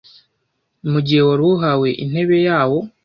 mu gihe waruhawe intebe yawo,